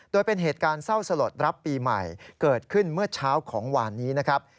โดยเป็นเหตุการณ์เศร้าสลดรับปีใหม่เกิดขึ้นเมื่อเช้าของวานนี้นะครับ